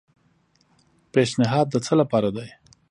پیشنھاد د څه لپاره دی؟